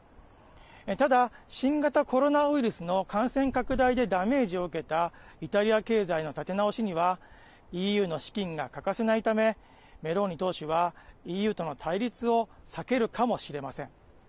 ただ、新型コロナウイルスの感染拡大でダメージを受けたイタリア経済の立て直しにはＥＵの資金が欠かせないためメローニ党首はＥＵとの対立を避けるかもしれません。